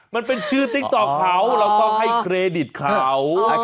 มันเป็นชื่อติ๊กต๊อกเขาเราต้องให้เครดิตเขา